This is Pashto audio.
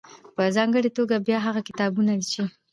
.په ځانګړې توګه بيا هغه کتابونه چې